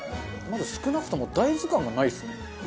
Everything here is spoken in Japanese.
まず少なくとも大豆感がないですね。